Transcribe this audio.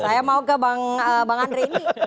saya mau ke bang andre ini